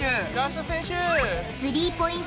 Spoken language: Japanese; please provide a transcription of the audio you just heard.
スリーポイント